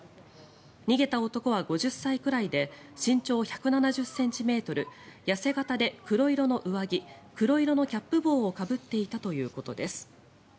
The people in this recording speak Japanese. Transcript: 逃げた男は５０歳くらいで身長１７０ｃｍ痩せ形で黒色の上着黒色のキャップ帽をかぶっていたということです。